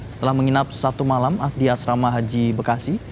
setelah menginap satu malam di asrama haji bekasi